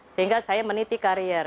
sehingga saya meniti karier